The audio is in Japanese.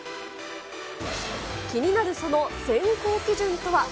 気になる、その選考基準とは。